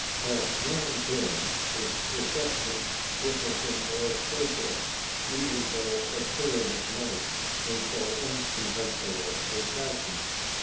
Had Nan been, her reception would have been more cordial, even though appearing at night in so unconventional a fashion.